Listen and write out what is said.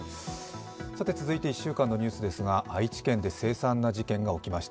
続いて１週間のニュースですが愛知県で凄惨な事件が起きました。